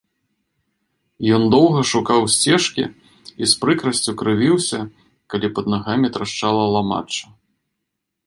Ён доўга шукаў сцежкі і з прыкрасцю крывіўся, калі пад нагамі трашчала ламачча.